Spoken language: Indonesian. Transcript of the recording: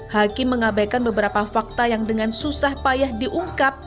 hakim mengabaikan beberapa fakta yang dengan susah payah diungkap